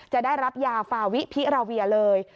จะได้รับยาฟาวิพิราเวียเลย